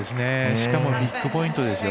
しかもビッグポイントですよ